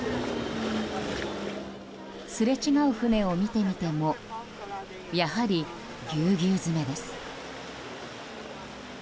すれ違う船を見てみてもやはり、ぎゅうぎゅう詰めです。